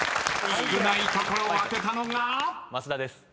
［少ない所を当てたのが］